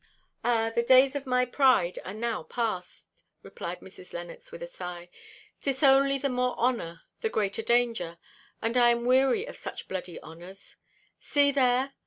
"Ah! the days of my pride are now past," replied Mrs. Lennox, with a sigh; "'tis only the more honour, the greater danger, and I am weary of such bloody honours. See there!"